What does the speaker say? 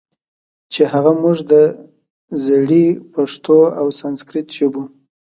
چې هغه موږ د زړې پښتو او سانسکریت ژبو